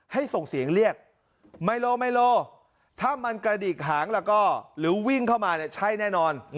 ส่งเสียงเรียกไมโลไมโลถ้ามันกระดิกหางแล้วก็หรือวิ่งเข้ามาเนี่ยใช่แน่นอน